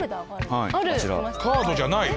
カードじゃない！